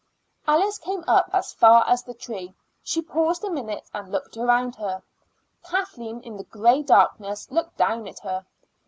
Alice came up as far as the tree; she paused a minute and looked around her. Kathleen in the gray darkness looked down at her.